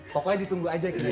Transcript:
pokoknya ditunggu aja gitu